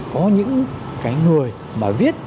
có những cái người mà viết